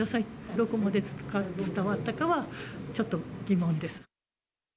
どこまで伝わったかは、ちょっと疑問です。